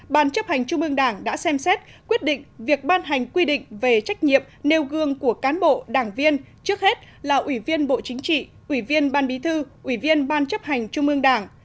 ban chấp hành trung ương đảng đã xem xét quyết định việc ban hành quy định về trách nhiệm nêu gương của cán bộ đảng viên trước hết là ủy viên bộ chính trị ủy viên ban bí thư ủy viên ban chấp hành trung ương đảng